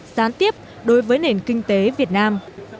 gián tiếp đối với nền kinh tế việt nam